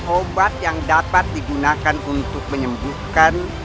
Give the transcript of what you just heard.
obat yang dapat digunakan untuk menyembuhkan